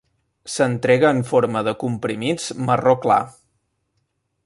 S"entrega en forma de comprimits marró clar.